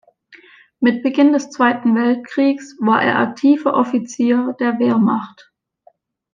Mit Beginn des Zweiten Weltkriegs war er aktiver Offizier der Wehrmacht.